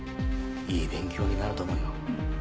いい勉強になると思うよ。